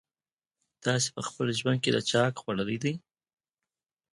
تاسي په خپل ژوند کي د چا حق خوړلی دی؟